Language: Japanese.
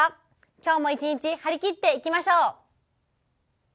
今日も一日、張り切っていきましょう。